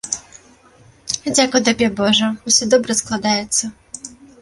Дзякуй табе, божа, усё добра складаецца.